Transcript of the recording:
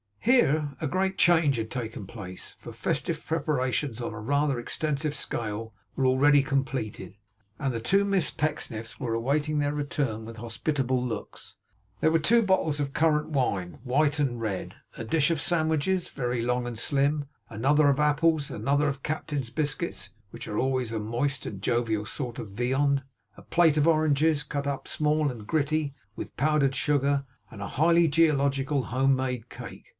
Here a great change had taken place; for festive preparations on a rather extensive scale were already completed, and the two Miss Pecksniffs were awaiting their return with hospitable looks. There were two bottles of currant wine, white and red; a dish of sandwiches (very long and very slim); another of apples; another of captain's biscuits (which are always a moist and jovial sort of viand); a plate of oranges cut up small and gritty; with powdered sugar, and a highly geological home made cake.